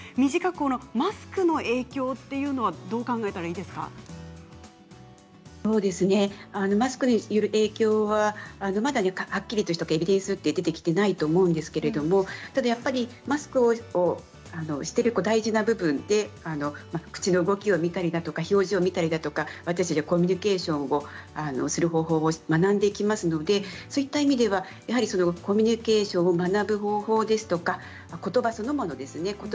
マスクの影響というのはマスクによる影響ははっきりとしたエビデンスが出てきていないと思うんですけどマスクをしている大事な部分で口の動きを見たり表情を見たり私たちはコミュニケーションをする方法を学んでいきますのでそういう意味ではコミュニケーションを学ぶ方法ですとかことばそのものですね